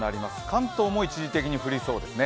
関東も一時的に降りそうですね。